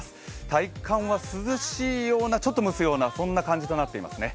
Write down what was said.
体感は涼しいような、ちょっと蒸すようなそんな感じとなっていますね。